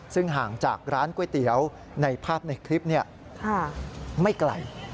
ซึ่งห่างจากร้านก๋วยเตี๋ยวในภาพในคลิปนี้ไม่ไกล